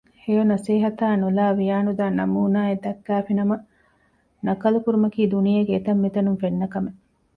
ހެޔޮ ނަސޭހަތާ ނުލައި ވިޔާނުދާ ނަމޫނާއެއް ދައްކައިފިނަމަ ނަކަލު ކުރުމަކީ ދުނިޔޭގެ އެތަންމިތަނުން ފެންނަ ކަމެއް